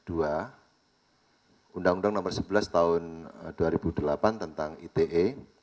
undang undang nomor sebelas tahun dua ribu delapan tentang ite